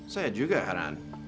saya juga heran